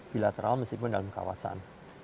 bilateral meskipun dalam kawasan